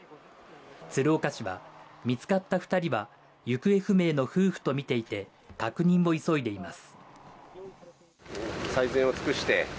鶴岡市は、見つかった２人は行方不明の夫婦とみていて確認を急いでいます。